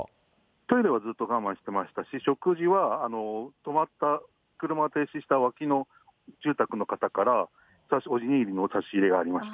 トイレはずっと我慢してましたし、食事は止まった、車が停止した脇の住宅の方から、お握りの差し入れがありました。